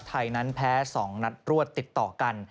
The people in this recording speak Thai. ไทยนั้นแพ้๒นัดรวดติดต่อกัน